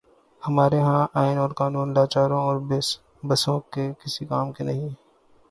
ہمارے ہاں آئین اور قانون لاچاروں اور بے بسوں کے کسی کام کے نہیں۔